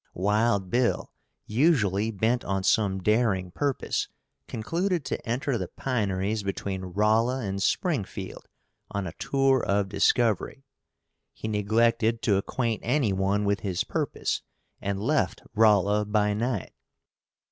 Wild Bill, usually bent on some daring purpose, concluded to enter the pineries between Rolla and Springfield on a tour of discovery. He neglected to acquaint any one with his purpose, and left Rolla by night.